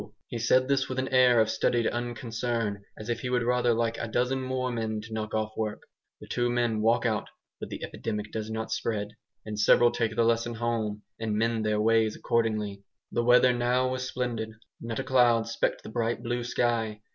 He said this with an air of studied unconcern, as if he would rather like a dozen more men to knock off work. The two men walk out, but the epidemic does not spread, and several take the lesson home and mend their ways accordingly. The weather now was splendid; not a cloud specked the bright blue sky.